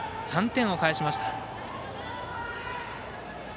３点を返しました。